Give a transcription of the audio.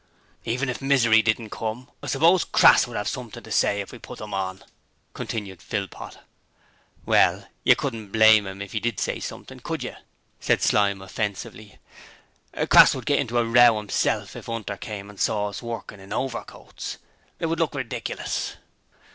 'Even if Misery didn't come, I suppose Crass would 'ave something to say if we did put 'em on,' continued Philpot. 'Well, yer couldn't blame 'im if 'e did say something, could yer?' said Slyme, offensively. 'Crass would get into a row 'imself if 'Unter came and saw us workin' in overcoats. It would look ridiclus.'